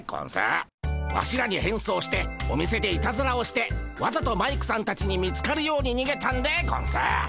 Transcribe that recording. ワシらに変装してお店でいたずらをしてわざとマイクさんたちに見つかるようににげたんでゴンス。